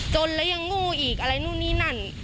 จนแล้วยังโง่อีกอะไรนู่นนี่นั่น